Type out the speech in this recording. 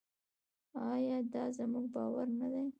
آیا دا زموږ باور نه دی؟